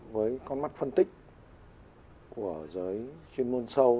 với con mắt phân tích của giới chuyên môn sâu